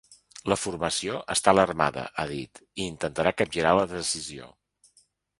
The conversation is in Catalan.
La formació està ‘alarmada’ –ha dit– i intentarà capgirar la decisió.